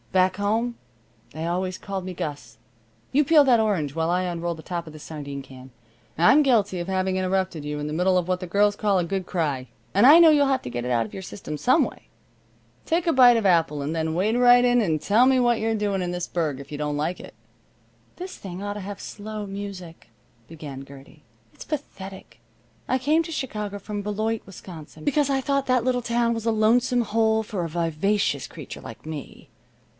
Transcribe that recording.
"Back home they always called me Gus. You peel that orange while I unroll the top of this sardine can. I'm guilty of having interrupted you in the middle of what the girls call a good cry, and I know you'll have to get it out of your system some way. Take a bite of apple and then wade right in and tell me what you're doing in this burg if you don't like it." "This thing ought to have slow music," began Gertie. "It's pathetic. I came to Chicago from Beloit, Wisconsin, because I thought that little town was a lonesome hole for a vivacious creature like me.